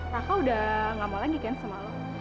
raka udah gak mau lagi kan sama lo